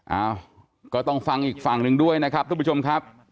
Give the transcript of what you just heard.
เอ้าก็ต้องฟังอีกฝั่งหนึ่งด้วยนะครับทุกผู้ชมครับ